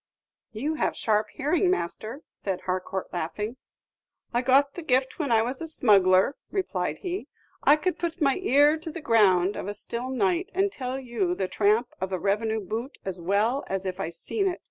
"You have sharp hearing, master," said Harcourt, laughing. "I got the gift when I was a smuggler," replied he. "I could put my ear to the ground of a still night, and tell you the tramp of a revenue boot as well as if I seen it.